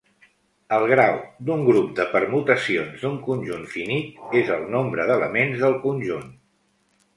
El grau d'un grup de permutacions d'un conjunt finit és el nombre d'elements del conjunt.